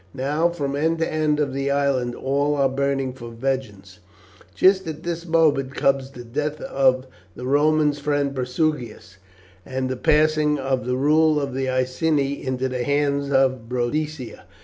Now from end to end of the island all are burning for vengeance. Just at this moment, comes the death of the Romans' friend Prasutagus, and the passing of the rule of the Iceni into the hands of Boadicea.